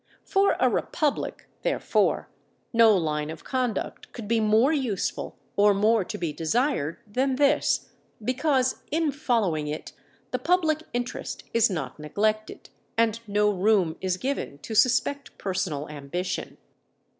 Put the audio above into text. For a republic, therefore, no line of conduct could be more useful or more to be desired than this, because in following it the public interest is not neglected, and no room is given to suspect personal ambition.